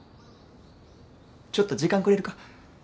ちょっと時間くれるか。